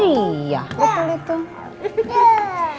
oh iya betul betul